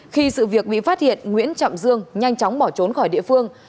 khi sự việc bị phát hiện nguyễn trọng dương nhanh chóng bỏ trốn khỏi địa phương